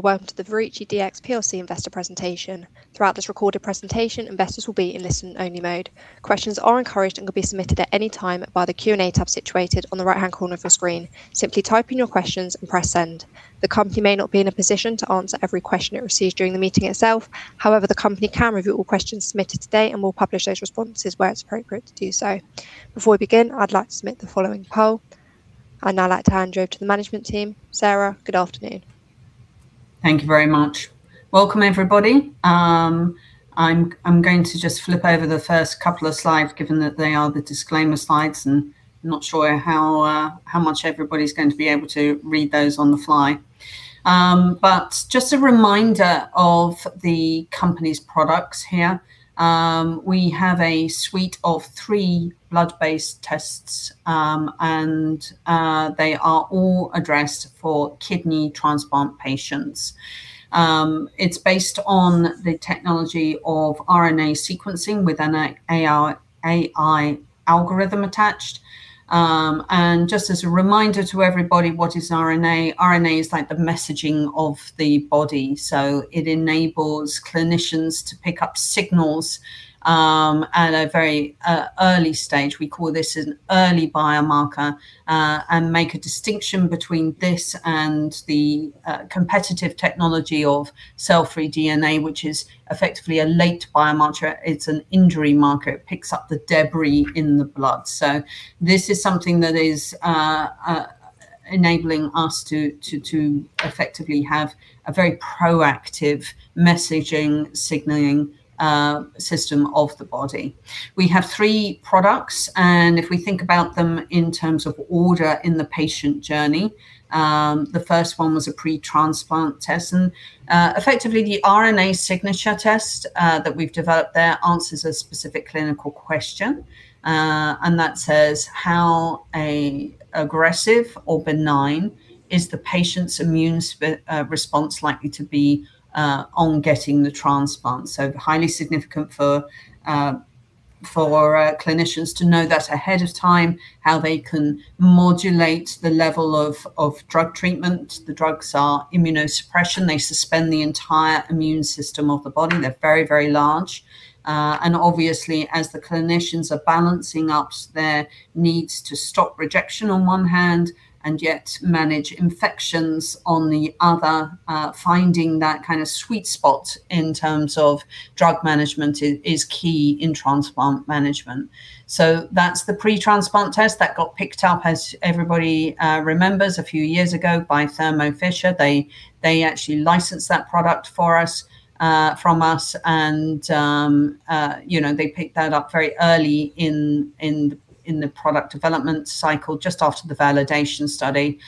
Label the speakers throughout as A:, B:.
A: Welcome to the Verici Dx plc investor presentation. Throughout this recorded presentation, investors will be in listen-only mode. Questions are encouraged and can be submitted at any time via the Q&A tab situated on the right-hand corner of your screen. Simply type in your questions and press send. The company may not be in a position to answer every question it receives during the meeting itself. The company can review all questions submitted today and will publish those responses where it's appropriate to do so. Before we begin, I'd like to submit the following poll. I'd now like to hand you over to the management team. Sara, good afternoon.
B: Thank you very much. Welcome, everybody. I'm going to just flip over the first couple of slides, given that they are the disclaimer slides, not sure how much everybody's going to be able to read those on the fly. Just a reminder of the company's products here. We have a suite of three blood-based tests. They are all addressed for kidney transplant patients. It's based on the technology of RNA sequencing with an AI algorithm attached. Just as a reminder to everybody, what is RNA? RNA is like the messaging of the body. It enables clinicians to pick up signals at a very early stage, we call this an early biomarker, make a distinction between this and the competitive technology of cell-free DNA, which is effectively a late biomarker. It's an injury marker. It picks up the debris in the blood. This is something that is enabling us to effectively have a very proactive messaging, signaling system of the body. We have three products. If we think about them in terms of order in the patient journey, the first one was a pre-transplant test. Effectively, the RNA signature test that we've developed there answers a specific clinical question, that says how aggressive or benign is the patient's immune response likely to be on getting the transplant. Highly significant for clinicians to know that ahead of time, how they can modulate the level of drug treatment. The drugs are immunosuppression. They suspend the entire immune system of the body. They're very large. Obviously, as the clinicians are balancing up their needs to stop rejection on one hand, and yet manage infections on the other, finding that kind of sweet spot in terms of drug management is key in transplant management. That's the pre-transplant test that got picked up, as everybody remembers, a few years ago by Thermo Fisher. They actually licensed that product from us. They picked that up very early in the product development cycle, just after the validation study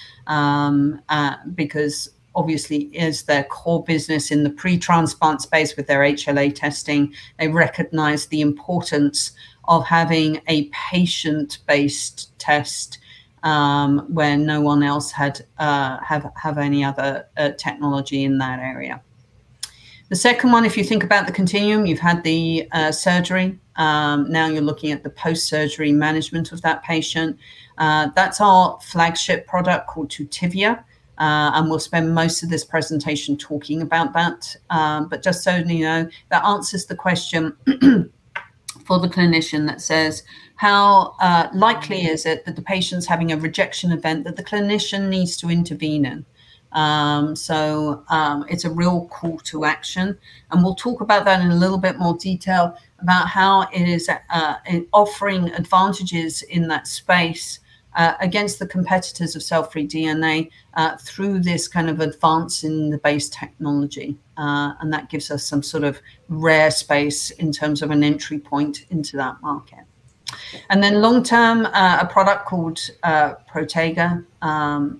B: because obviously it is their core business in the pre-transplant space with their HLA testing. They recognized the importance of having a patient-based test, where no one else have any other technology in that area. The second one, if you think about the continuum, you've had the surgery. Now you're looking at the post-surgery management of that patient. That is our flagship product called Tutivia, and we will spend most of this presentation talking about that. Just so you know, that answers the question for the clinician that says, how likely is it that the patient is having a rejection event that the clinician needs to intervene in? It is a real call to action, and we will talk about that in a little bit more detail about how it is offering advantages in that space against the competitors of cell-free DNA through this kind of advance in the base technology. That gives us some sort of rare space in terms of an entry point into that market. Then long-term, a product called Protega.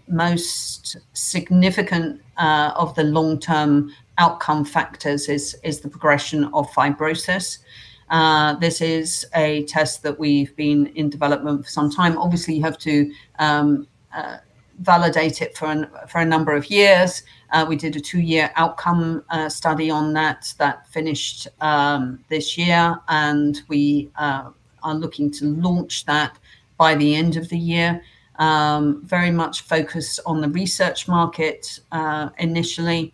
B: Most significant of the long-term outcome factors is the progression of fibrosis. This is a test that we have been in development for some time. Obviously, you have to validate it for a number of years. We did a two-year outcome study on that that finished this year, and we are looking to launch that by the end of the year. Very much focused on the research market initially,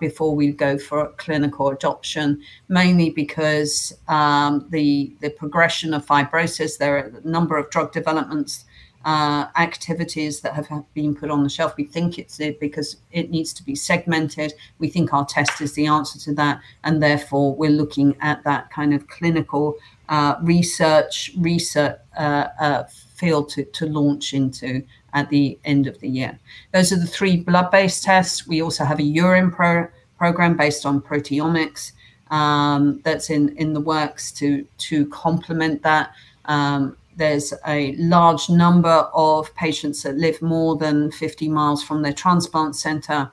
B: before we go for clinical adoption, mainly because the progression of fibrosis, there are a number of drug development activities that have been put on the shelf. We think it is there because it needs to be segmented. We think our test is the answer to that, and therefore, we are looking at that kind of clinical research field to launch into at the end of the year. Those are the three blood-based tests. We also have a urine program based on proteomics that is in the works to complement that. There is a large number of patients that live more than 50 mi from their transplant center,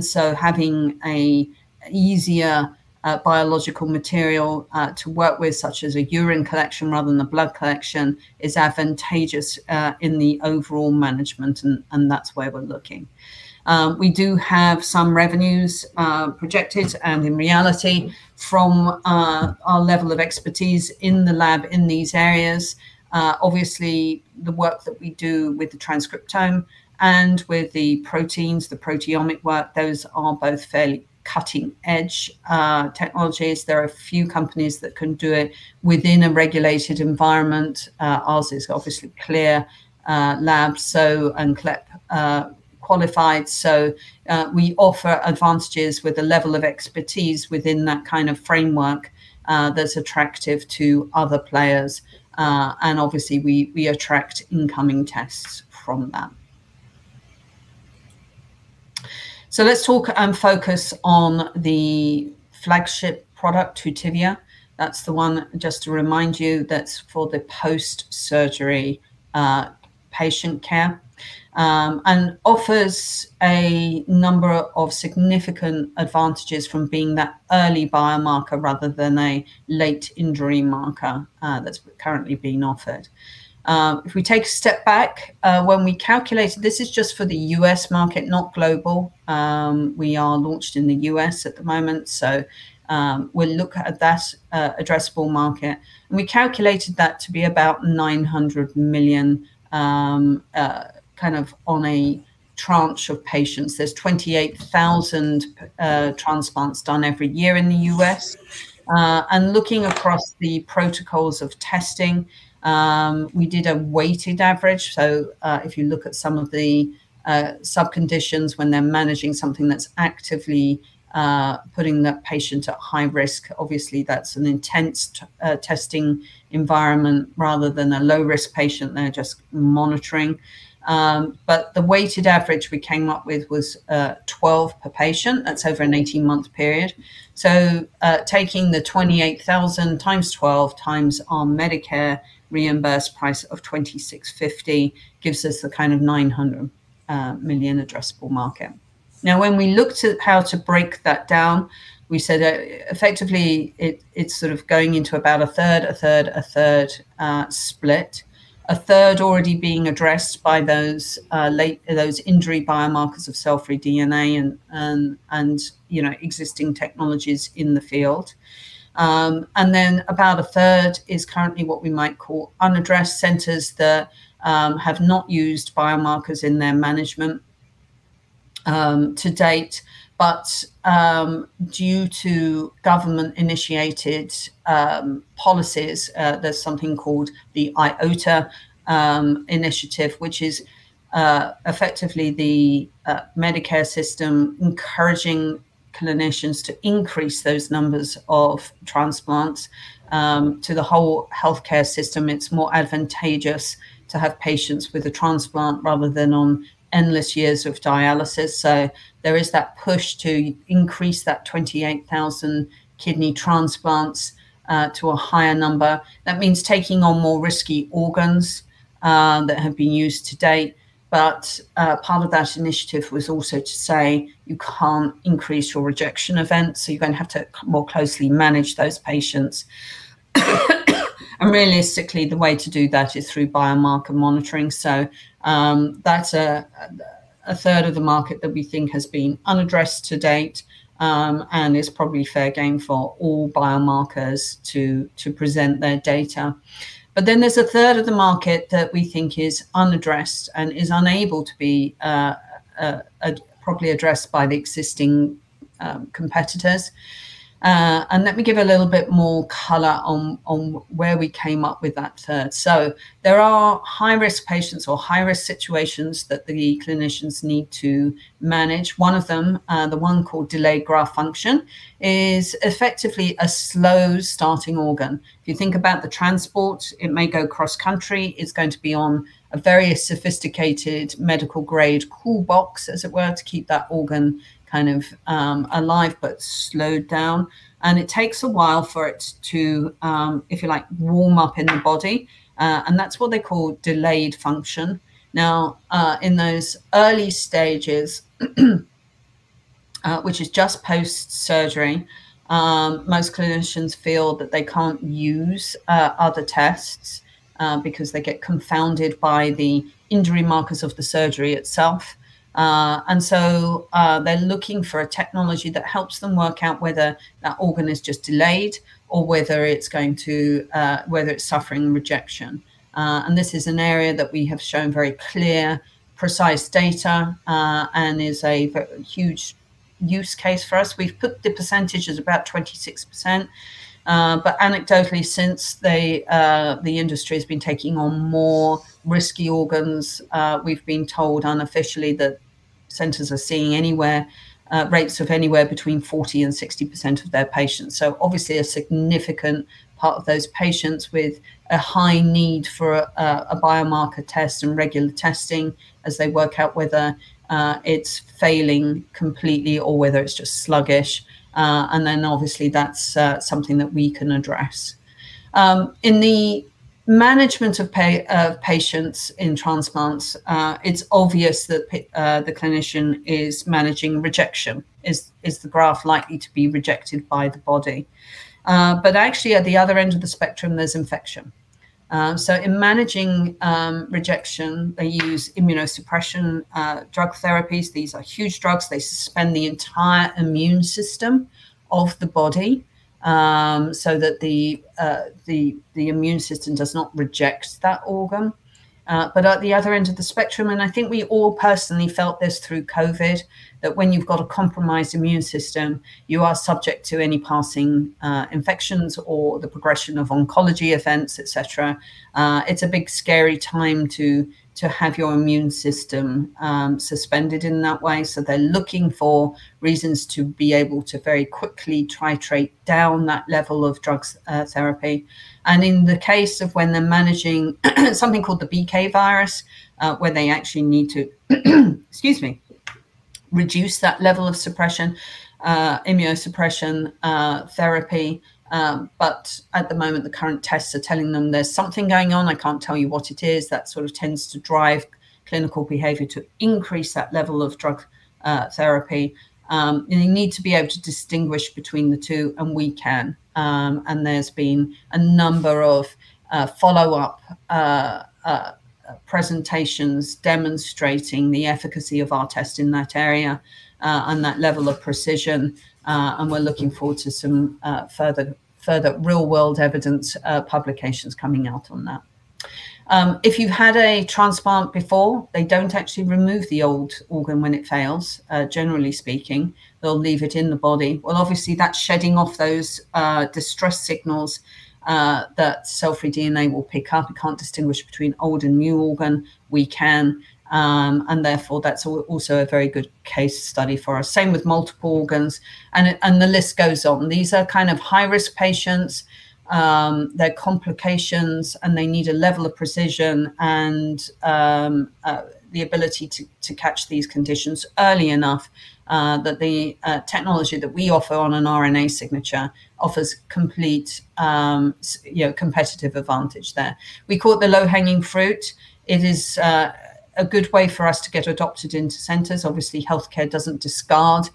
B: so having an easier biological material to work with, such as a urine collection rather than a blood collection, is advantageous in the overall management, and that is where we are looking. We do have some revenues projected, and in reality, from our level of expertise in the lab in these areas. Obviously, the work that we do with the transcriptome and with the proteins, the proteomic work, those are both fairly cutting-edge technologies. There are few companies that can do it within a regulated environment. Ours is obviously CLIA lab. CLIA Qualified, so we offer advantages with a level of expertise within that kind of framework that is attractive to other players. Obviously, we attract incoming tests from that. Let us talk and focus on the flagship product, Tutivia. That is the one, just to remind you, that is for the post-surgery patient care and offers a number of significant advantages from being that early biomarker rather than a late injury marker that is currently being offered. If we take a step back, when we calculated, this is just for the U.S. market, not global. We are launched in the U.S. at the moment, so we will look at that addressable market. We calculated that to be about $900 million kind of on a tranche of patients. There are 28,000 transplants done every year in the U.S. Looking across the protocols of testing, we did a weighted average. If you look at some of the sub-conditions when they are managing something that is actively putting that patient at high risk, obviously that is an intense testing environment rather than a low-risk patient they are just monitoring. The weighted average we came up with was 12 per patient. That's over an 18-month period. Taking the 28,000 times 12 times our Medicare reimbursed price of $2,650 gives us the kind of $900 million addressable market. When we looked at how to break that down, we said effectively it's sort of going into about a third, a third, a third split, a third already being addressed by those injury biomarkers of cell-free DNA and existing technologies in the field. About a third is currently what we might call unaddressed centers that have not used biomarkers in their management to date. Due to government-initiated policies, there's something called the IOTA initiative, which is effectively the Medicare system encouraging clinicians to increase those numbers of transplants. To the whole healthcare system, it's more advantageous to have patients with a transplant rather than on endless years of dialysis. There is that push to increase that 28,000 kidney transplants to a higher number. That means taking on more risky organs that have been used to date. Part of that initiative was also to say you can't increase your rejection events, so you're going to have to more closely manage those patients. Realistically, the way to do that is through biomarker monitoring. That's a third of the market that we think has been unaddressed to date and is probably fair game for all biomarkers to present their data. There's a third of the market that we think is unaddressed and is unable to be properly addressed by the existing competitors. Let me give a little bit more color on where we came up with that third. There are high-risk patients or high-risk situations that the clinicians need to manage. One of them, the one called delayed graft function, is effectively a slow-starting organ. If you think about the transport, it may go cross-country. It's going to be on a very sophisticated medical-grade cool box, as it were, to keep that organ kind of alive but slowed down. It takes a while for it to, if you like, warm up in the body. That's what they call delayed function. In those early stages, which is just post-surgery, most clinicians feel that they can't use other tests because they get confounded by the injury markers of the surgery itself. They're looking for a technology that helps them work out whether that organ is just delayed or whether it's suffering rejection. This is an area that we have shown very clear, precise data and is a huge use case for us. We've put the percentage as about 26%. Anecdotally, since the industry has been taking on more risky organs, we've been told unofficially that centers are seeing rates of anywhere between 40% and 60% of their patients. Obviously a significant part of those patients with a high need for a biomarker test and regular testing as they work out whether it's failing completely or whether it's just sluggish. Obviously that's something that we can address. In the management of patients in transplants, it's obvious that the clinician is managing rejection. Is the graft likely to be rejected by the body? Actually, at the other end of the spectrum, there is infection. In managing rejection, they use immunosuppression drug therapies. These are huge drugs. They suspend the entire immune system of the body That the immune system does not reject that organ. At the other end of the spectrum, and I think we all personally felt this through COVID, that when you've got a compromised immune system, you are subject to any passing infections or the progression of oncology events, et cetera. It's a big scary time to have your immune system suspended in that way. They're looking for reasons to be able to very quickly titrate down that level of drug therapy. In the case of when they're managing something called the BK virus, where they actually need to excuse me, reduce that level of immunosuppression therapy. At the moment, the current tests are telling them there's something going on, I can't tell you what it is. That sort of tends to drive clinical behavior to increase that level of drug therapy. You need to be able to distinguish between the two, and we can. There's been a number of follow-up presentations demonstrating the efficacy of our test in that area, and that level of precision. We're looking forward to some further real-world evidence publications coming out on that. If you've had a transplant before, they don't actually remove the old organ when it fails, generally speaking. They'll leave it in the body. Obviously, that shedding off those distress signals that cell-free DNA will pick up. It can't distinguish between old and new organ. We can, and therefore, that's also a very good case study for us. Same with multiple organs. The list goes on. These are kind of high-risk patients. They're complications, and they need a level of precision and the ability to catch these conditions early enough that the technology that we offer on an RNA signature offers complete competitive advantage there. We call it the low-hanging fruit. It is a good way for us to get adopted into centers. Obviously, healthcare doesn't discard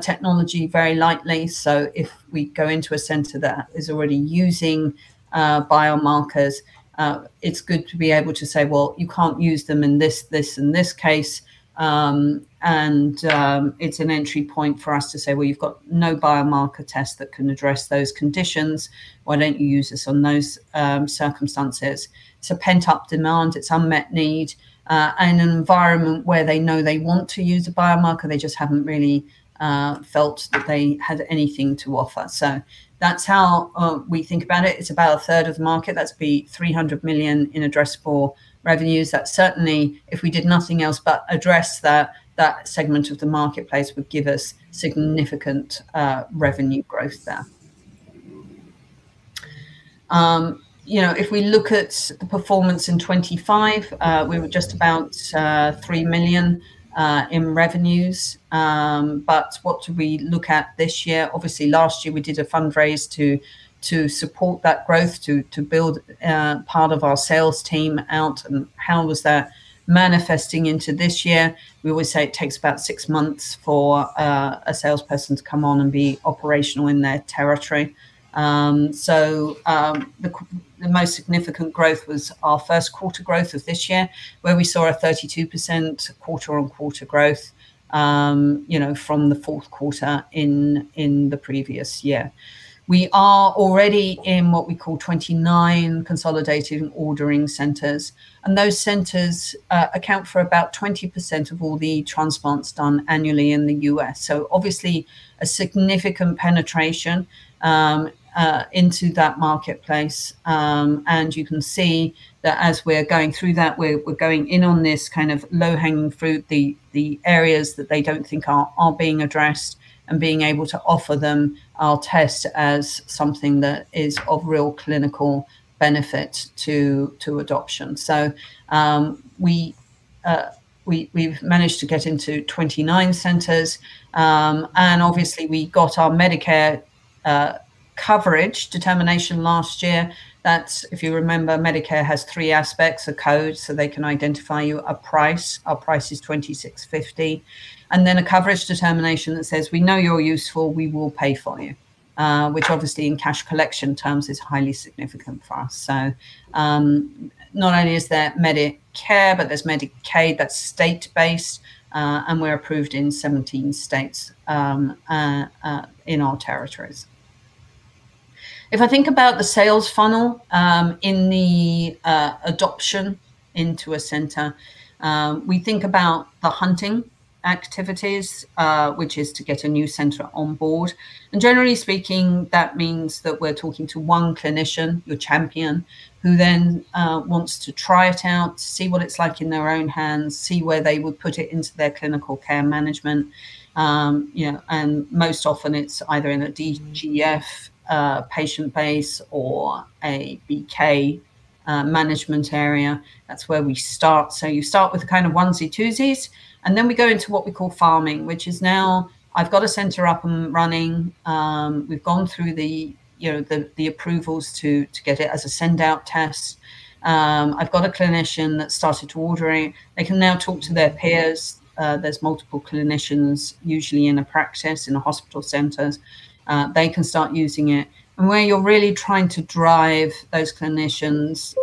B: technology very lightly. If we go into a center that is already using biomarkers, it's good to be able to say, "Well, you can't use them in this case." It's an entry point for us to say, "Well, you've got no biomarker test that can address those conditions. Why don't you use this on those circumstances?" It's a pent-up demand. It's unmet need, and an environment where they know they want to use a biomarker, they just haven't really felt that they had anything to offer. That's how we think about it. It's about a third of the market. That's be 300 million in addressable revenues. That certainly, if we did nothing else but address that segment of the marketplace, would give us significant revenue growth there. If we look at the performance in 2025, we were just about $3.7 million in revenues. What do we look at this year? Obviously, last year, we did a fundraise to support that growth to build part of our sales team out. How was that manifesting into this year? We always say it takes about six months for a salesperson to come on and be operational in their territory. The most significant growth was our first quarter growth of this year, where we saw a 32% quarter-over-quarter growth from the fourth quarter in the previous year. We are already in what we call 29 consolidated ordering centers, and those centers account for about 20% of all the transplants done annually in the U.S. Obviously, a significant penetration into that marketplace. You can see that as we're going through that, we're going in on this kind of low-hanging fruit, the areas that they don't think are being addressed, and being able to offer them our test as something that is of real clinical benefit to adoption. We've managed to get into 29 centers. Obviously, we got our Medicare coverage determination last year. That's, if you remember, Medicare has three aspects, a code so they can identify you, a price, our price is $2,650, and then a coverage determination that says, "We know you're useful. We will pay for you." Which obviously, in cash collection terms, is highly significant for us. Not only is there Medicare, but there's Medicaid that's state-based, and we're approved in 17 states in our territories. If I think about the sales funnel in the adoption into a center, we think about the hunting activities, which is to get a new center on board. Generally speaking, that means that we're talking to one clinician, your champion, who then wants to try it out, see what it's like in their own hands, see where they would put it into their clinical care management. Most often, it's either in a DGF patient base or a BK management area. That's where we start. You start with the kind of onesie-twosies, and then we go into what we call farming, which is now I've got a center up and running. We've gone through the approvals to get it as a send-out test. I've got a clinician that's started to order it. They can now talk to their peers. There's multiple clinicians usually in a practice, in a hospital centers. They can start using it. Where you're really trying to drive those clinicians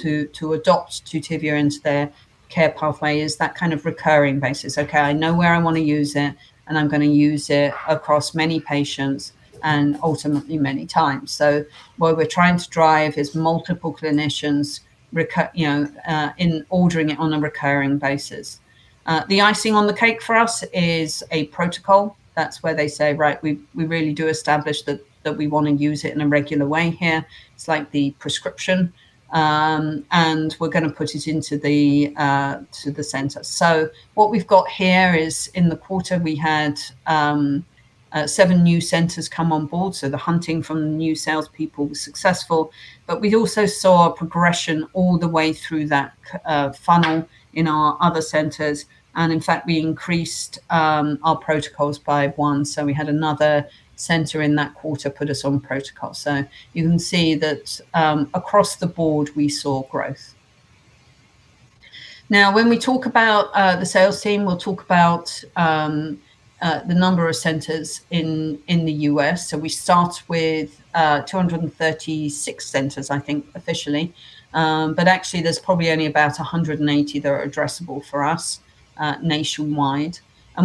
B: to adopt Tutivia into their care pathway is that kind of recurring basis. "Okay, I know where I want to use it, and I'm going to use it across many patients and ultimately many times." What we're trying to drive is multiple clinicians in ordering it on a recurring basis. The icing on the cake for us is a protocol. That's where they say, "Right, we really do establish that we want to use it in a regular way here." It's like the prescription. We're going to put it into the center. What we've got here is in the quarter we had seven new centers come on board. The hunting from the new salespeople was successful, but we also saw a progression all the way through that funnel in our other centers. In fact, we increased our protocols by one. We had another center in that quarter put us on protocol. You can see that across the board we saw growth. When we talk about the sales team, we'll talk about the number of centers in the U.S. We start with 236 centers, I think officially. Actually, there's probably only about 180 that are addressable for us nationwide.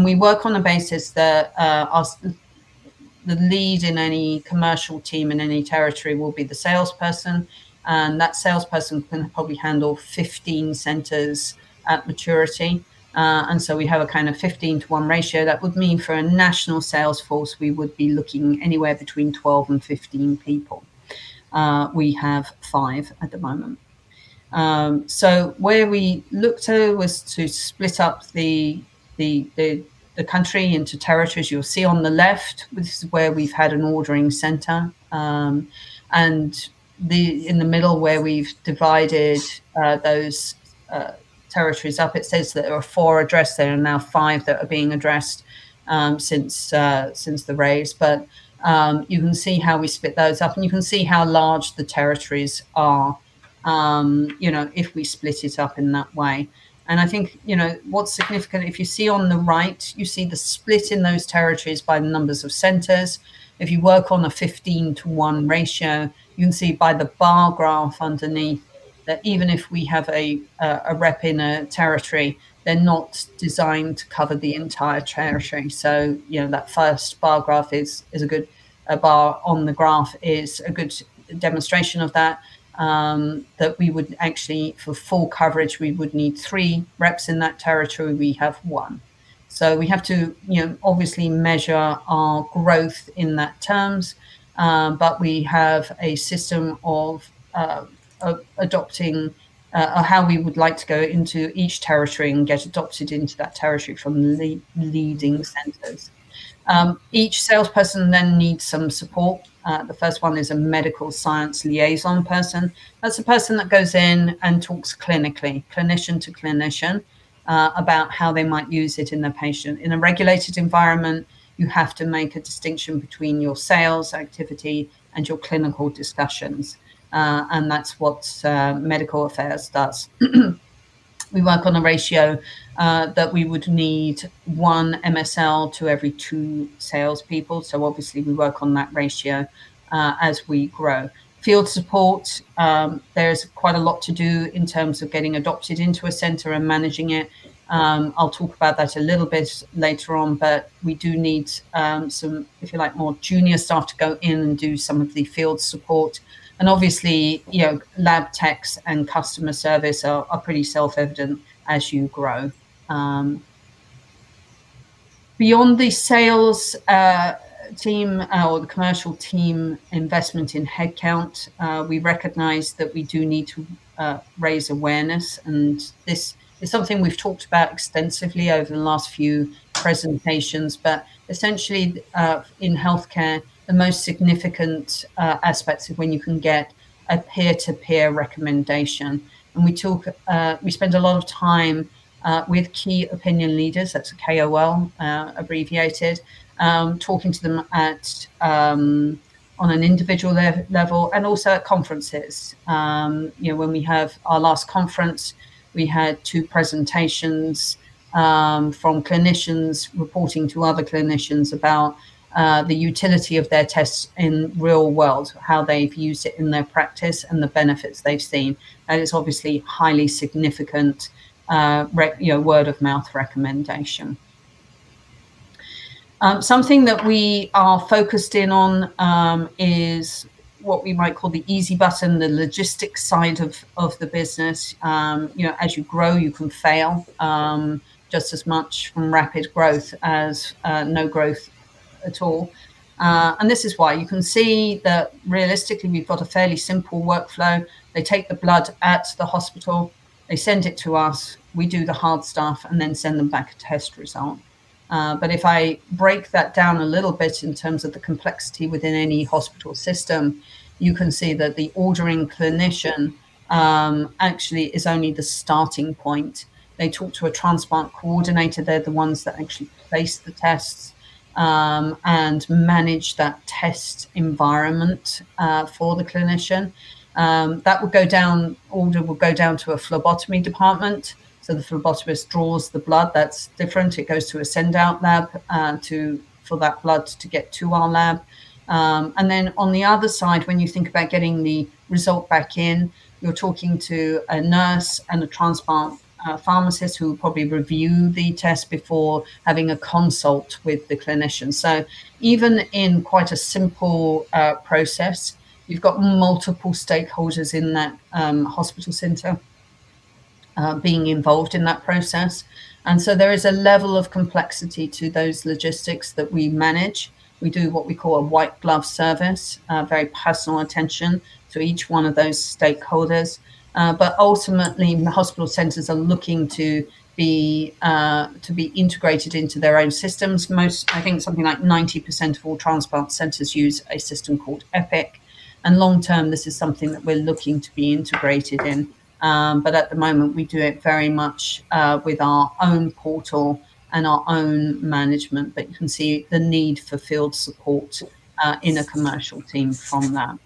B: We work on a basis that the lead in any commercial team in any territory will be the salesperson, and that salesperson can probably handle 15 centers at maturity. We have a kind of 15:1 ratio. That would mean for a national sales force, we would be looking anywhere between 12 and 15 people. We have five at the moment. Where we looked to was to split up the country into territories. You'll see on the left, this is where we've had an ordering center. In the middle where we've divided those territories up, it says that there are four addressed there, and now five that are being addressed since the raise. You can see how we split those up, and you can see how large the territories are if we split it up in that way. I think what's significant, if you see on the right, you see the split in those territories by the numbers of centers. If you work on a 15:1 ratio, you can see by the bar graph underneath that even if we have a rep in a territory, they're not designed to cover the entire territory. That first bar on the graph is a good demonstration of that we would actually, for full coverage, we would need three reps in that territory, we have one. We have to obviously measure our growth in that terms. We have a system of adopting, or how we would like to go into each territory and get adopted into that territory from the leading centers. Each salesperson then needs some support. The first one is a Medical Science Liaison person. That's a person that goes in and talks clinically, clinician to clinician, about how they might use it in their patient. In a regulated environment, you have to make a distinction between your sales activity and your clinical discussions. That's what medical affairs does. We work on a ratio that we would need one MSL to every two salespeople. Obviously we work on that ratio as we grow. Field support, there's quite a lot to do in terms of getting adopted into a center and managing it. I'll talk about that a little bit later on. We do need some, if you like, more junior staff to go in and do some of the field support. Obviously, lab techs and customer service are pretty self-evident as you grow. Beyond the sales team or the commercial team investment in headcount, we recognize that we do need to raise awareness, this is something we've talked about extensively over the last few presentations. Essentially, in healthcare, the most significant aspect is when you can get a peer-to-peer recommendation. We spend a lot of time with key opinion leaders, that's KOL abbreviated, talking to them on an individual level and also at conferences. When we have our last conference, we had two presentations from clinicians reporting to other clinicians about the utility of their tests in real world, how they've used it in their practice and the benefits they've seen. It's obviously highly significant word-of-mouth recommendation. Something that we are focused in on is what we might call the easy button, the logistics side of the business. As you grow, you can fail just as much from rapid growth as no growth at all. This is why. You can see that realistically, we've got a fairly simple workflow. They take the blood at the hospital, they send it to us, we do the hard stuff, and then send them back a test result. If I break that down a little bit in terms of the complexity within any hospital system, you can see that the ordering clinician actually is only the starting point. They talk to a transplant coordinator. They're the ones that actually place the tests and manage that test environment for the clinician. That order will go down to a phlebotomy department, so the phlebotomist draws the blood. That's different. It goes to a send-out lab for that blood to get to our lab. On the other side, when you think about getting the result back in, you're talking to a nurse and a transplant pharmacist who will probably review the test before having a consult with the clinician. Even in quite a simple process, you've got multiple stakeholders in that hospital center being involved in that process. There is a level of complexity to those logistics that we manage. We do what we call a white glove service, very personal attention to each one of those stakeholders. Ultimately, the hospital centers are looking to be integrated into their own systems. I think something like 90% of all transplant centers use a system called Epic, long term, this is something that we're looking to be integrated in. At the moment, we do it very much with our own portal and our own management. You can see the need for field support in a commercial team from that.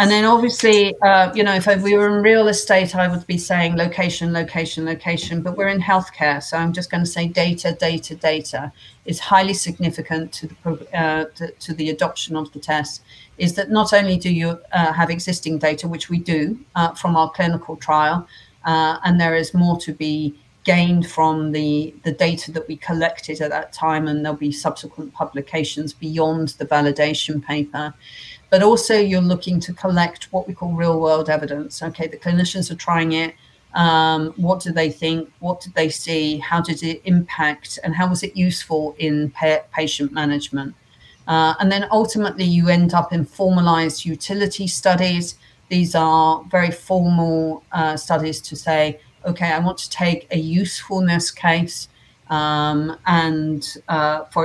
B: Obviously, if we were in real estate, I would be saying location, location. We're in healthcare, I'm just going to say data, data, is highly significant to the adoption of the test is that not only do you have existing data, which we do from our clinical trial, there is more to be gained from the data that we collected at that time, there'll be subsequent publications beyond the validation paper. Also you're looking to collect what we call real world evidence. Okay, the clinicians are trying it. What do they think? What did they see? How does it impact? How was it useful in patient management? Ultimately you end up in formalized utility studies. These are very formal studies to say, okay, I want to take a usefulness case, for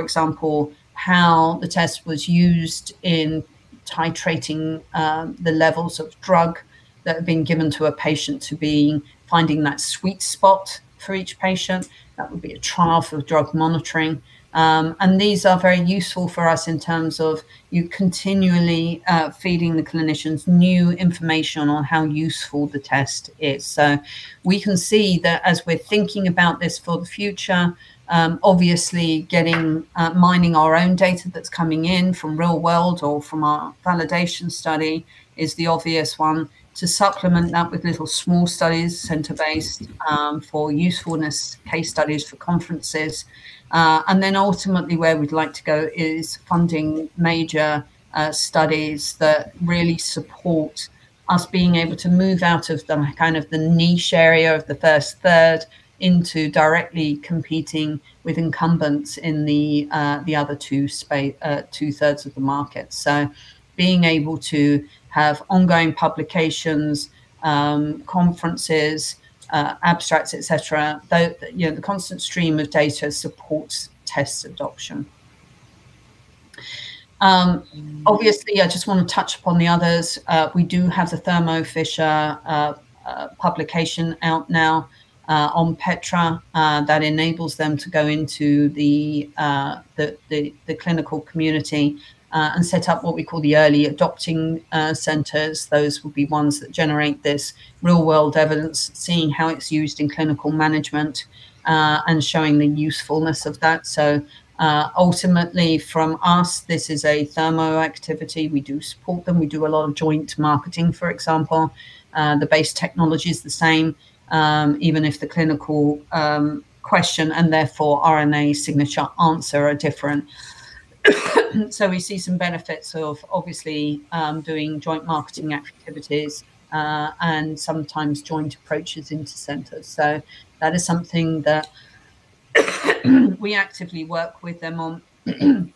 B: example, how the test was used in titrating the levels of drug that have been given to a patient to be finding that sweet spot for each patient. That would be a trial for drug monitoring. These are very useful for us in terms of you continually feeding the clinicians new information on how useful the test is. We can see that as we're thinking about this for the future, obviously mining our own data that's coming in from real world or from our validation study is the obvious one to supplement that with little small studies, center-based, for usefulness, case studies for conferences. Ultimately where we'd like to go is funding major studies that really support us being able to move out of the niche area of the first third into directly competing with incumbents in the other 2/3 of the market. Being able to have ongoing publications, conferences, abstracts, et cetera, the constant stream of data supports test adoption. Obviously, I just want to touch upon the others. We do have the Thermo Fisher publication out now on PTRA, that enables them to go into the clinical community and set up what we call the early adopting centers. Those will be ones that generate this real-world evidence, seeing how it's used in clinical management, and showing the usefulness of that. Ultimately from us, this is a Thermo activity. We do support them. We do a lot of joint marketing, for example. The base technology is the same, even if the clinical question and therefore RNA signature answer are different. We see some benefits of obviously doing joint marketing activities, and sometimes joint approaches into centers. That is something that we actively work with them on.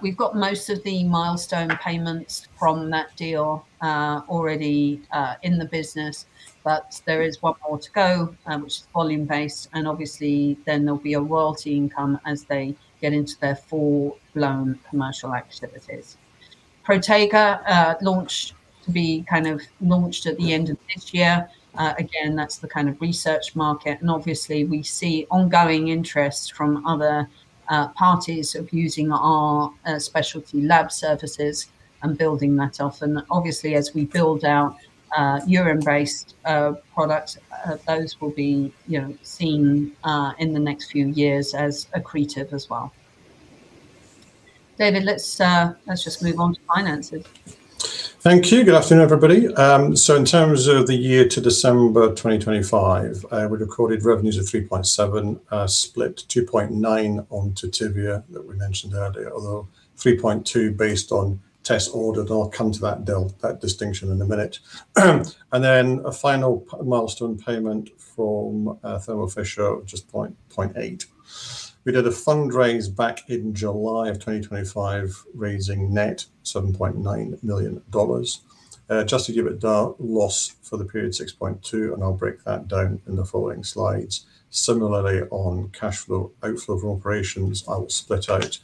B: We've got most of the milestone payments from that deal already in the business, but there is one more to go, which is volume-based, and obviously then there'll be a royalty income as they get into their full-blown commercial activities. Protega, to be launched at the end of this year. Again, that's the kind of research market, and obviously we see ongoing interest from other parties of using our specialty lab services and building that up. Obviously as we build our urine-based product, those will be seen in the next few years as accretive as well. David, let's just move on to finances.
C: Thank you. Good afternoon, everybody. In terms of the year to December 2025, we recorded revenues of $3.7, split $2.9 on Tutivia that we mentioned earlier, although $3.2 based on tests ordered. I'll come to that distinction in a minute. A final milestone payment from Thermo Fisher of just $0.8. We did a fundraise back in July of 2025, raising net $7.9 million. Just to give a loss for the period, $6.2, I'll break that down in the following slides. Similarly, on cash flow, outflow from operations, I will split out.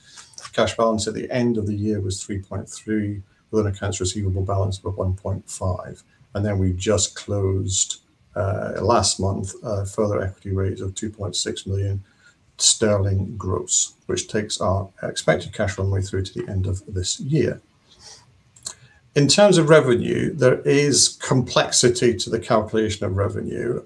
C: Cash balance at the end of the year was $3.3, with an accounts receivable balance of $1.5. We just closed, last month, a further equity raise of 2.6 million sterling gross, which takes our expected cash runway through to the end of this year. In terms of revenue, there is complexity to the calculation of revenue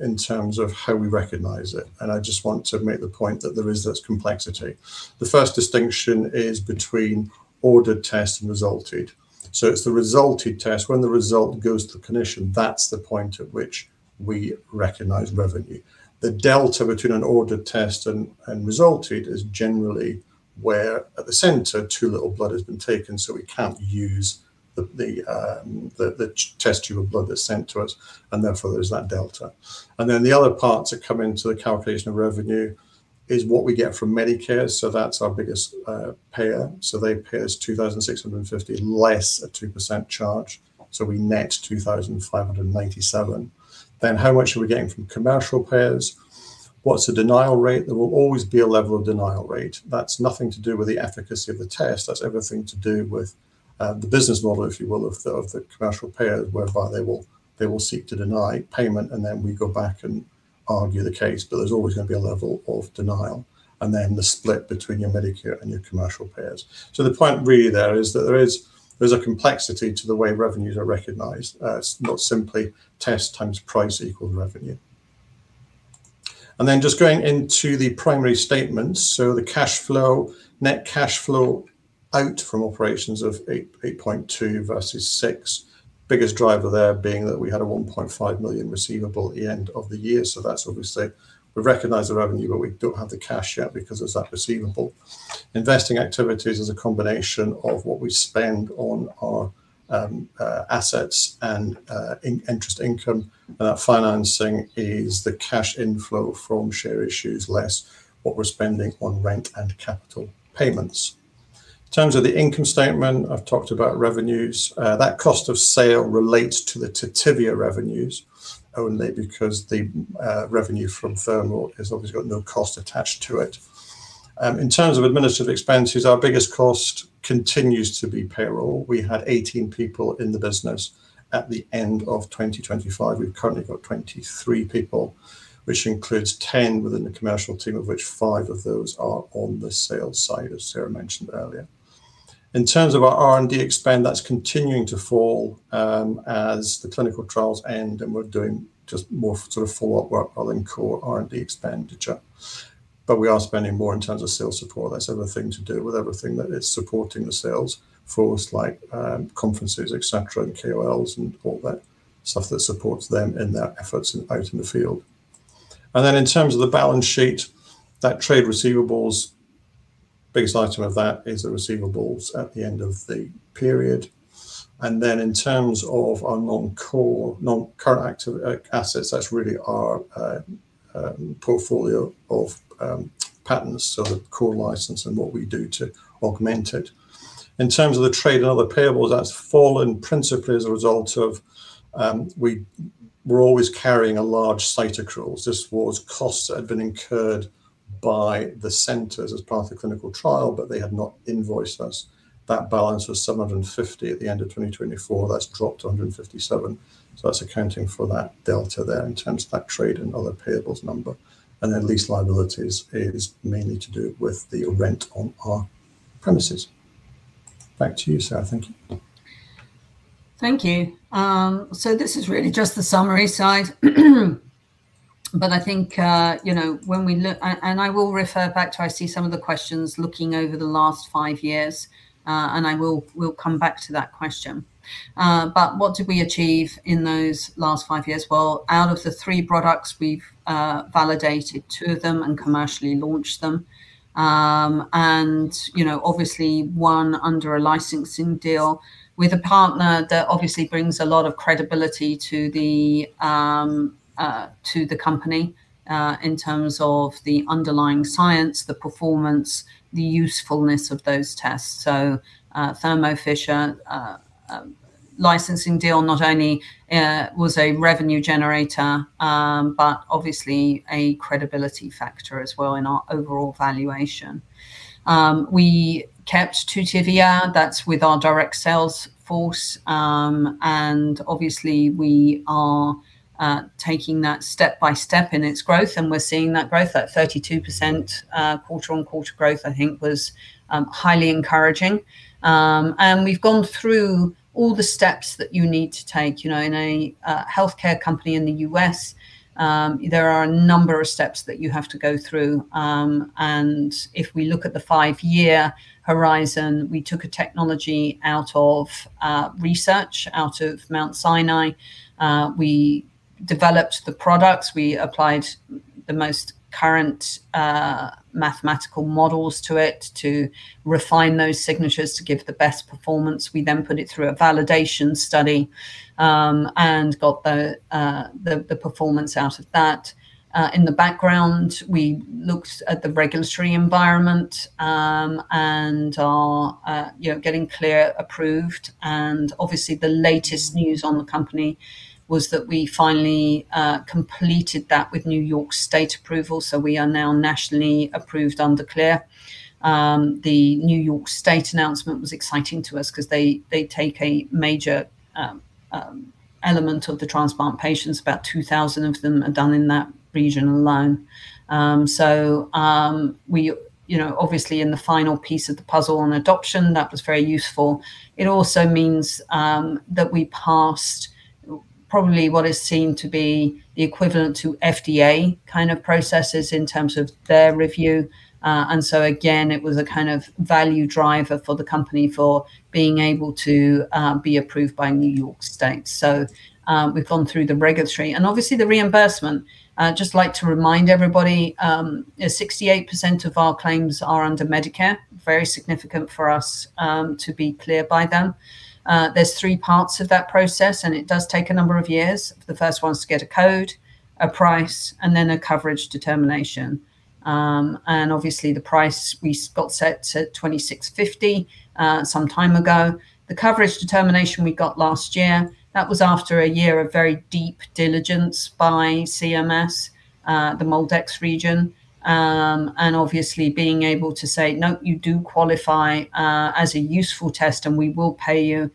C: in terms of how we recognize it, I just want to make the point that there is this complexity. The first distinction is between ordered tests and resulted. It's the resulted test. When the result goes to the clinician, that's the point at which we recognize revenue. The delta between an ordered test and resulted is generally where, at the center, too little blood has been taken, we can't use the test tube of blood that's sent to us, therefore, there's that delta. The other parts that come into the calculation of revenue is what we get from Medicare. That's our biggest payer. They pay us $2,650, less a 2% charge. We net $2,597. How much are we getting from commercial payers? What's the denial rate? There will always be a level of denial rate. That's nothing to do with the efficacy of the test. That's everything to do with the business model, if you will, of the commercial payer, whereby they will seek to deny payment, then we go back and argue the case. There's always going to be a level of denial. The split between your Medicare and your commercial payers. The point really there is that there is a complexity to the way revenues are recognized. It's not simply test times price equals revenue. Just going into the primary statements. The net cash flow out from operations of $8.2 versus $6. Biggest driver there being that we had a $1.5 million receivable at the end of the year. That's obviously, we recognize the revenue, but we don't have the cash yet because there's that receivable. Investing activities is a combination of what we spend on our assets and interest income. That financing is the cash inflow from share issues, less what we're spending on rent and capital payments. In terms of the income statement, I've talked about revenues. That cost of sale relates to the Tutivia revenues only because the revenue from Thermo has obviously got no cost attached to it. In terms of administrative expenses, our biggest cost continues to be payroll. We had 18 people in the business at the end of 2025. We've currently got 23 people, which includes 10 within the commercial team, of which five of those are on the sales side, as Sara mentioned earlier. In terms of our R&D spend, that's continuing to fall as the clinical trials end, and we're doing just more sort of follow-up work rather than core R&D expenditure. We are spending more in terms of sales support. That's everything to do with everything that is supporting the sales force, like conferences, et cetera, and KOLs, and all that stuff that supports them in their efforts out in the field. In terms of the balance sheet, that trade receivables, biggest item of that is the receivables at the end of the period. In terms of our non-current assets, that's really our portfolio of patents. The core license and what we do to augment it. In terms of the trade and other payables, that's fallen principally as a result of, we were always carrying a large accruals. This was costs that had been incurred by the centers as part of the clinical trial, but they had not invoiced us. That balance was $750 at the end of 2024. That's dropped to $157. That's accounting for that delta there in terms of that trade and other payables number. Lease liabilities is mainly to do with the rent on our premises. Back to you, Sara. Thank you.
B: Thank you. This is really just the summary slide. I think, and I will refer back to, I see some of the questions looking over the last five years, and I will come back to that question. What did we achieve in those last five years? Out of the three products, we have validated two of them and commercially launched them. Obviously, one under a licensing deal with a partner that obviously brings a lot of credibility to the company in terms of the underlying science, the performance, the usefulness of those tests. Thermo Fisher licensing deal not only was a revenue generator, but obviously a credibility factor as well in our overall valuation. We kept Tutivia. That is with our direct sales force. Obviously, we are taking that step by step in its growth, and we are seeing that growth. That 32% quarter-on-quarter growth, I think, was highly encouraging. We have gone through all the steps that you need to take. In a healthcare company in the U.S., there are a number of steps that you have to go through. If we look at the five-year horizon, we took a technology out of research, out of Mount Sinai. We developed the products, we applied the most current mathematical models to it to refine those signatures to give the best performance. We then put it through a validation study, and got the performance out of that. In the background, we looked at the regulatory environment, and are getting CLIA approved. Obviously the latest news on the company was that we finally completed that with New York State approval, so we are now nationally approved under CLIA. The New York State announcement was exciting to us because they take a major element of the transplant patients. About 2,000 of them are done in that region alone. Obviously in the final piece of the puzzle on adoption, that was very useful. It also means that we passed probably what is seen to be the equivalent to FDA processes in terms of their review. Again, it was a kind of value driver for the company for being able to be approved by New York State. We have gone through the regulatory. Obviously the reimbursement, just like to remind everybody, 68% of our claims are under Medicare, very significant for us to be CLIA by them. There are three parts of that process, and it does take a number of years. The first one is to get a code, a price, and then a coverage determination. Obviously the price we got set to $2,650 some time ago. The coverage determination we got last year, that was after a year of very deep diligence by CMS, the MolDX region. Obviously being able to say, "No, you do qualify as a useful test, and we will pay you,"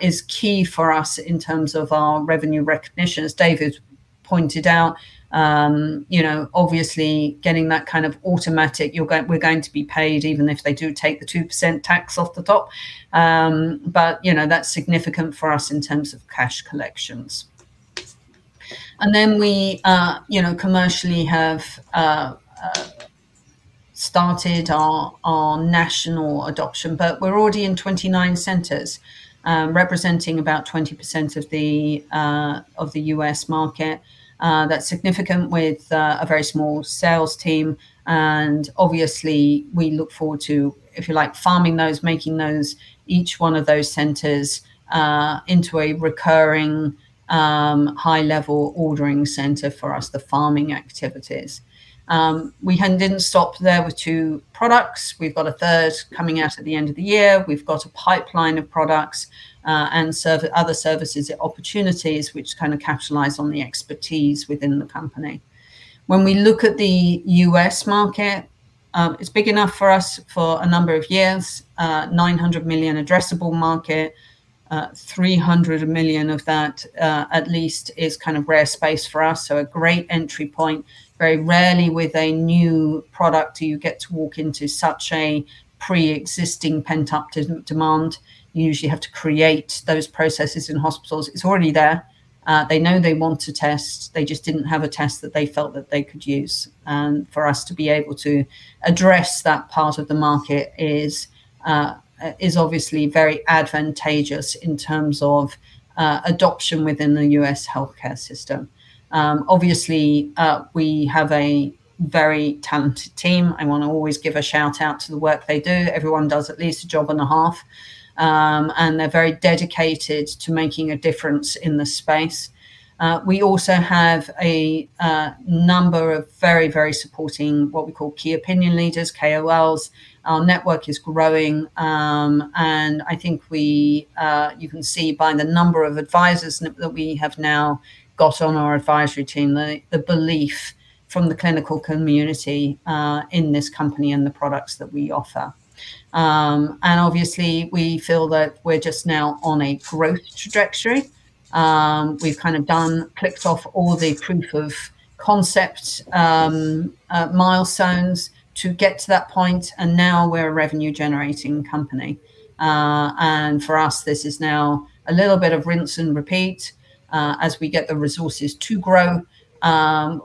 B: is key for us in terms of our revenue recognition, as David pointed out. Obviously, getting that kind of automatic, we are going to be paid even if they do take the 2% tax off the top. That is significant for us in terms of cash collections. We commercially have started our national adoption. We are already in 29 centers, representing about 20% of the U.S. market. That is significant with a very small sales team, obviously we look forward to, if you like, farming those, making each one of those centers into a recurring, high-level ordering center for us, the farming activities. We did not stop there with two products. We have a third coming out at the end of the year. We have a pipeline of products and other services, opportunities which kind of capitalize on the expertise within the company. When we look at the U.S. market, it is big enough for us for a number of years. 900 million addressable market, 300 million of that at least is kind of rare space for us, a great entry point. Very rarely with a new product do you get to walk into such a pre-existing pent-up demand. You usually have to create those processes in hospitals. It is already there. They know they want a test, they just did not have a test that they felt that they could use. For us to be able to address that part of the market is obviously very advantageous in terms of adoption within the U.S. healthcare system. Obviously, we have a very talented team. I want to always give a shout-out to the work they do. Everyone does at least a job and a half, they are very dedicated to making a difference in this space. We also have a number of very supporting, what we call key opinion leaders, KOLs. Our network is growing, I think you can see by the number of advisors that we have now got on our advisory team, the belief from the clinical community in this company and the products that we offer. Obviously we feel that we are just now on a growth trajectory. We have kind of clicked off all the proof of concept milestones to get to that point, now we are a revenue-generating company. For us, this is now a little bit of rinse and repeat. As we get the resources to grow,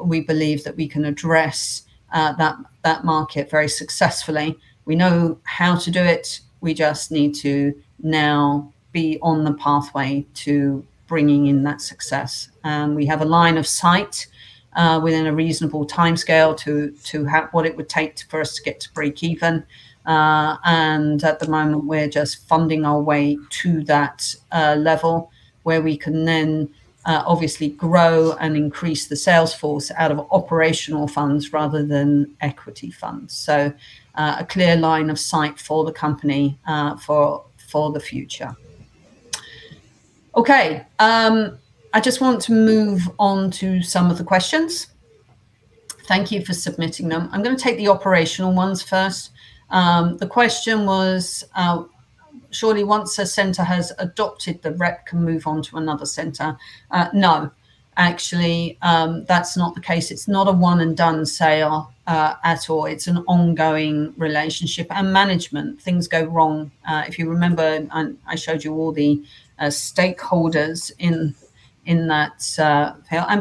B: we believe that we can address that market very successfully. We know how to do it. We just need to now be on the pathway to bringing in that success. We have a line of sight within a reasonable timescale to what it would take for us to get to break even. At the moment, we are just funding our way to that level where we can then obviously grow and increase the sales force out of operational funds rather than equity funds. A clear line of sight for the company for the future. Okay. I just want to move on to some of the questions. Thank you for submitting them. I am going to take the operational ones first. The question was, "Surely once a center has adopted, the rep can move on to another center?" No. Actually, that is not the case. It is not a one-and-done sale at all. It is an ongoing relationship and management. Things go wrong. If you remember, I showed you all the stakeholders in that,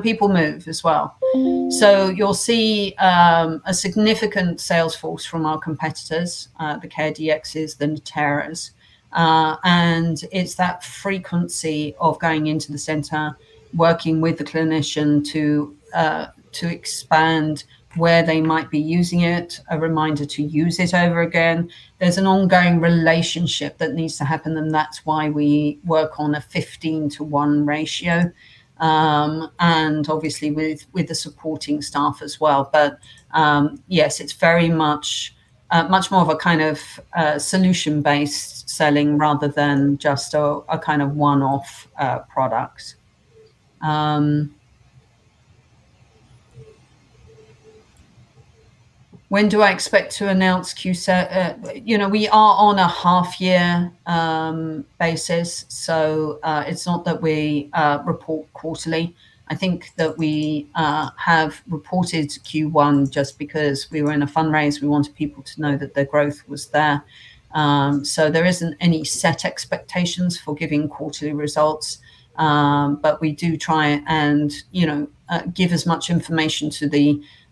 B: people move as well. You will see a significant sales force from our competitors, the CareDx, the Natera, it is that frequency of going into the center, working with the clinician to expand where they might be using it, a reminder to use it over again. There is an ongoing relationship that needs to happen, that is why we work on a 15:1 ratio. Obviously with the supporting staff as well. Yes, it's very much more of a kind of solution-based selling rather than just a kind of one-off product. When do I expect to announce, you know, we are on a half-year basis, so it's not that we report quarterly. I think that we have reported Q1 just because we were in a fundraise, we wanted people to know that the growth was there. There isn't any set expectations for giving quarterly results, but we do try and give as much information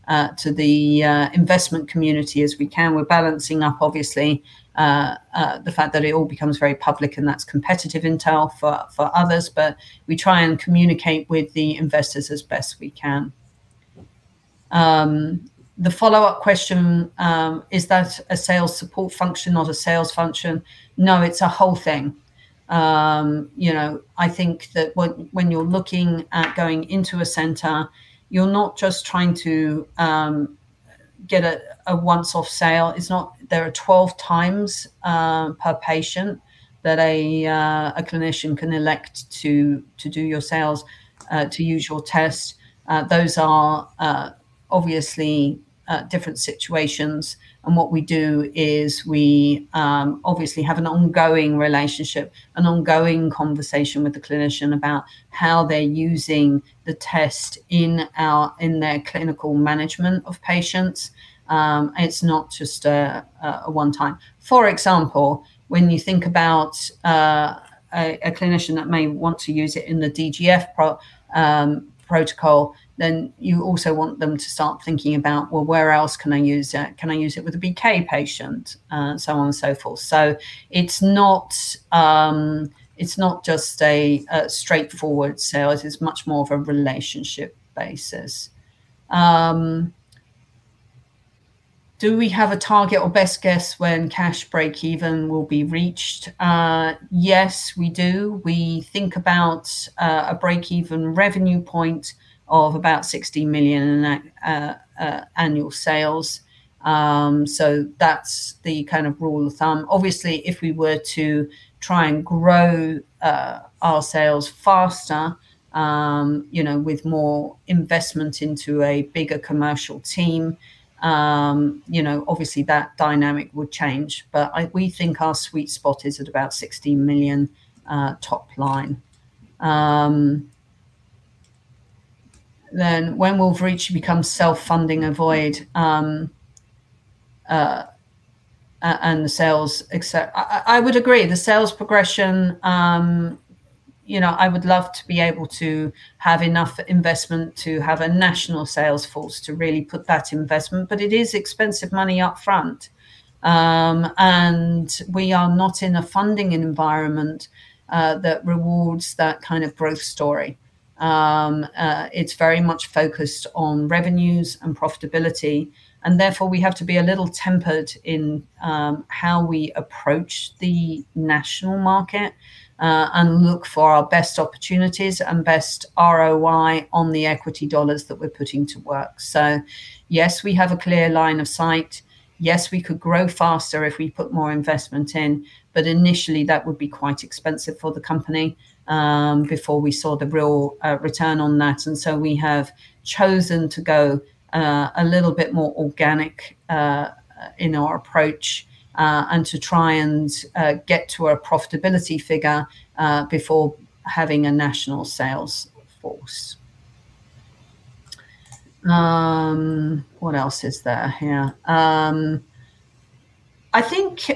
B: to the investment community as we can. We're balancing up, obviously, the fact that it all becomes very public and that's competitive intel for others, but we try and communicate with the investors as best we can. The follow-up question, is that a sales support function not a sales function? No, it's a whole thing. I think that when you're looking at going into a center, you're not just trying to get a once-off sale. There are 12 times per patient that a clinician can elect to do your sales, to use your test. Those are obviously different situations and what we do is we obviously have an ongoing relationship, an ongoing conversation with the clinician about how they're using the test in their clinical management of patients. It's not just a one-time. For example, when you think about a clinician that may want to use it in the DGF protocol, you also want them to start thinking about, "Well, where else can I use it? Can I use it with a BK patient?" On and so forth. It's not just a straightforward sale, it's much more of a relationship basis. Do we have a target or best guess when cash breakeven will be reached? Yes, we do. We think about a breakeven revenue point of about 60 million in annual sales. That's the kind of rule of thumb. Obviously, if we were to try and grow our sales faster, with more investment into a bigger commercial team, obviously that dynamic would change. We think our sweet spot is at about 60 million top line. When will Verici become self-funding and avoid the sales except I would agree. The sales progression, I would love to be able to have enough investment to have a national sales force to really put that investment, but it is expensive money up front. We are not in a funding environment that rewards that kind of growth story. It's very much focused on revenues and profitability, and therefore we have to be a little tempered in how we approach the national market, and look for our best opportunities and best ROI on the equity dollars that we're putting to work. Yes, we have a clear line of sight. Yes, we could grow faster if we put more investment in, but initially that would be quite expensive for the company, before we saw the real return on that. We have chosen to go a little bit more organic in our approach, and to try and get to a profitability figure before having a national sales force. What else is there? Yeah. I think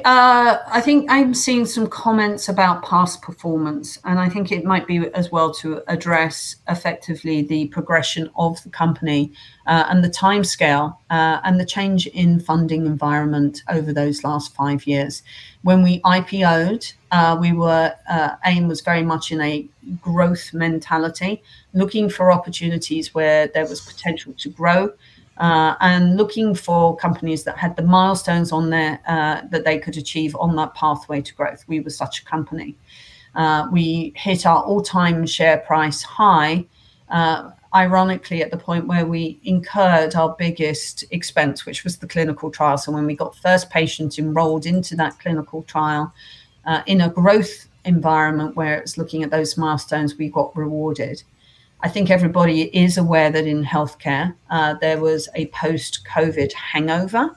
B: I'm seeing some comments about past performance, and I think it might be as well to address effectively the progression of the company, and the timescale, and the change in funding environment over those last five years. When we IPO'd, AIM was very much in a growth mentality, looking for opportunities where there was potential to grow, and looking for companies that had the milestones that they could achieve on that pathway to growth. We were such a company. We hit our all-time share price high, ironically at the point where we incurred our biggest expense, which was the clinical trial. When we got first patients enrolled into that clinical trial, in a growth environment where it was looking at those milestones, we got rewarded. I think everybody is aware that in healthcare, there was a post-COVID hangover,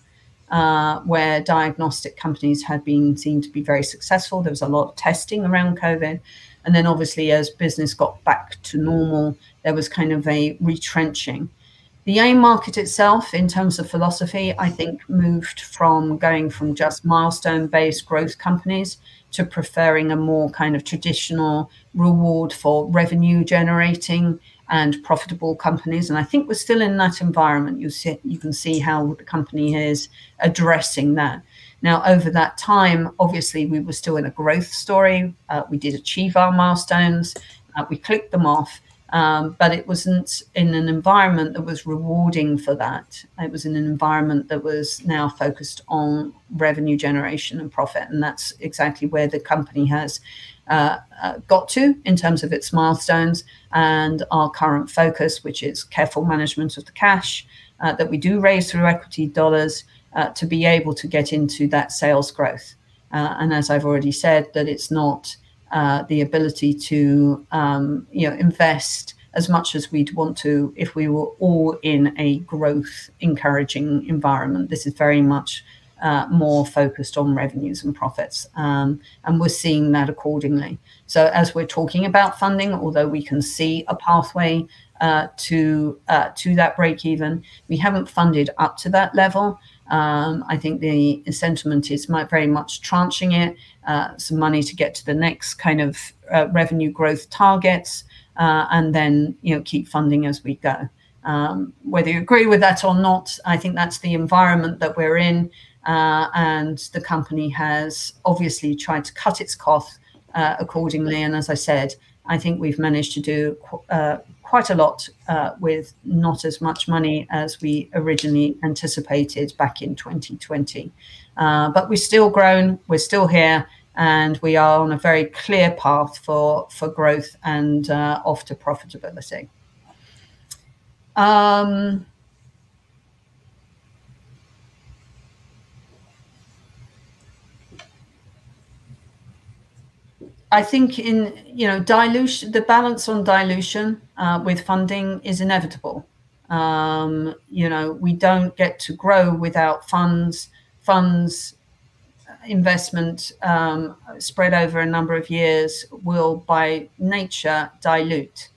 B: where diagnostic companies had been seen to be very successful. There was a lot of testing around COVID. Then obviously as business got back to normal, there was a retrenching. The AIM market itself, in terms of philosophy, I think moved from going from just milestone-based growth companies to preferring a more traditional reward for revenue-generating and profitable companies, and I think we're still in that environment. You can see how the company is addressing that. Now, over that time, obviously we were still in a growth story. We did achieve our milestones. We ticked them off. It wasn't in an environment that was rewarding for that. It was in an environment that was now focused on revenue generation and profit. That's exactly where the company has got to in terms of its milestones and our current focus, which is careful management of the cash that we do raise through equity dollars, to be able to get into that sales growth. As I've already said, that it's not the ability to invest as much as we'd want to if we were all in a growth-encouraging environment. This is very much more focused on revenues than profits, and we're seeing that accordingly. As we're talking about funding, although we can see a pathway to that break even, we haven't funded up to that level. I think the sentiment is very much tranching it, some money to get to the next revenue growth targets, and then keep funding as we go. Whether you agree with that or not, I think that's the environment that we're in. The company has obviously tried to cut its costs accordingly. As I said, I think we've managed to do quite a lot with not as much money as we originally anticipated back in 2020. We've still grown, we're still here, and we are on a very clear path for growth and off to profitability. I think the balance on dilution with funding is inevitable. We don't get to grow without funds. Funds, investment spread over a number of years will, by nature, dilute.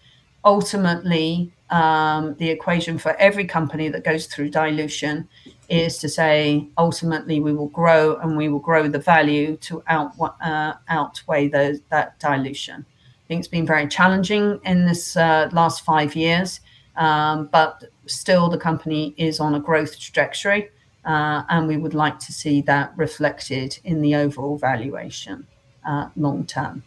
B: Ultimately, the equation for every company that goes through dilution is to say, ultimately, we will grow, and we will grow the value to outweigh that dilution. I think it's been very challenging in this last five years. Still, the company is on a growth trajectory, and we would like to see that reflected in the overall valuation long term.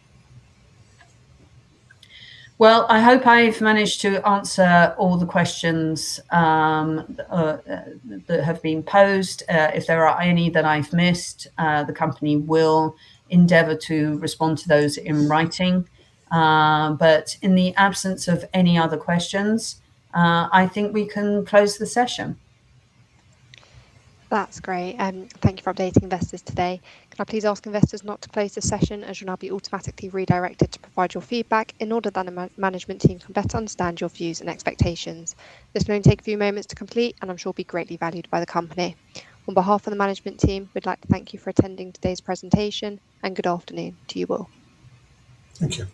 B: Well, I hope I've managed to answer all the questions that have been posed. If there are any that I've missed, the company will endeavor to respond to those in writing. In the absence of any other questions, I think we can close the session.
A: That's great. Thank you for updating investors today. Can I please ask investors not to close the session, as you'll now be automatically redirected to provide your feedback in order that the management team can better understand your views and expectations. This will only take a few moments to complete and I'm sure will be greatly valued by the company. On behalf of the management team, we'd like to thank you for attending today's presentation. Good afternoon to you all.
C: Thank you.